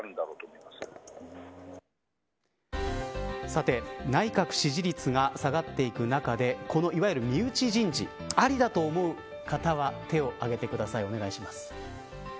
さて、内閣支持率が下がっていく中でいわゆる身内人事ありだと思う方は手を上げてくださいお願いします。